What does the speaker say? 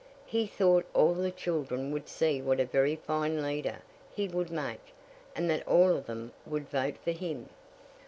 He thought all the children could see what a very fine leader he would make, and that all of them would vote for him.